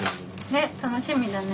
ね楽しみだね。